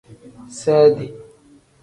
Seedi.